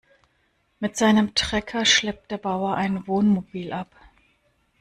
Mit seinem Trecker schleppt der Bauer ein Wohnmobil ab.